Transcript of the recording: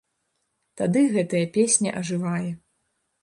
Тады гэтая песня ажывае.